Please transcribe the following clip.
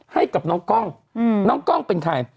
ให้กับน้องกล้องน้องกล้องเป็นใคร